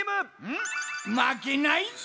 んっまけないぞ！